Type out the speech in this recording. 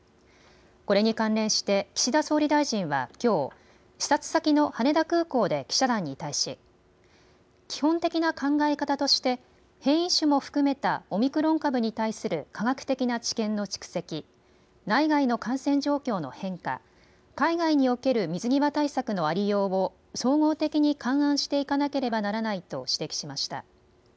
これに関連して岸田総理大臣はきょう視察先の羽田空港で記者団に対し基本的な考え方として変異種も含めたオミクロン株に対する科学的な知見の蓄積、内外の感染状況の変化、海外における水際対策のありようを総合的に勘案していかなければならないと指摘しました。